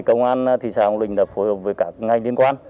công an thị xã hồng lĩnh đã phối hợp với các ngành liên quan